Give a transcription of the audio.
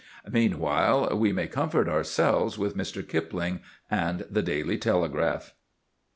Meanwhile, we may comfort ourselves with Mr. Kipling and the Daily Telegraph.